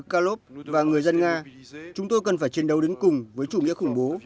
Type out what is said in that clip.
karlov và người dân nga chúng tôi cần phải chiến đấu đứng cùng với chủ nghĩa khủng bố